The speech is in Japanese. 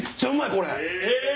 これ。